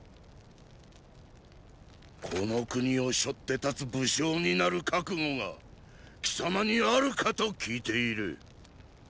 この国をしょって立つ武将になる覚悟が貴様にあるかと聞いている。